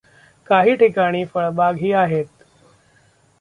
काही ठिकाणी फळबागही आहेत.